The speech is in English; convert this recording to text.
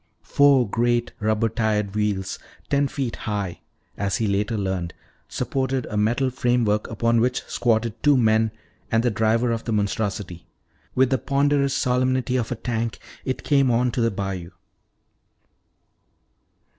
Four great rubber tired wheels, ten feet high, as he later learned, supported a metal framework upon which squatted two men and the driver of the monstrosity. With the ponderous solemnity of a tank it came on to the bayou.